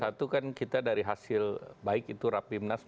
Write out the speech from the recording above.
satu kan kita dari hasil baik itu rapimnas